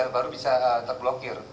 baru bisa terblokir